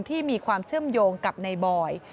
ที่มีความเชื่อมโยงกับในบอย